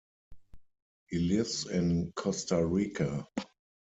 He lives in Costa Rica.